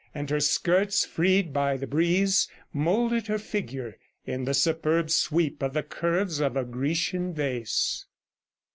... And her skirts, freed by the breeze, molded her figure in the superb sweep of the curves of a Grecian vase.